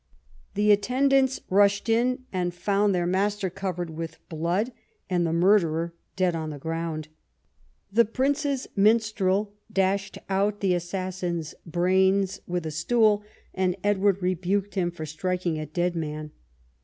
The attendants rushed in and found their master covered with blood and the murderer dead on the ground. The prince's minstrel dashed out the assassin's brains with a stool, and Edward rebuked him for striking a dead man.